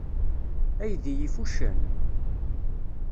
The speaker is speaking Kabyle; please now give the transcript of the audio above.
Aydi yif uccen?